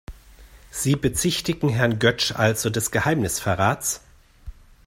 Sie bezichtigen Herrn Götsch also des Geheimnisverrats?